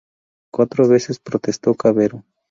Cuatro veces protestó Cavero.